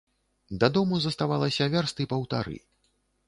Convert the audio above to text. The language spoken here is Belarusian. Да дому заставалася вярсты паўтары.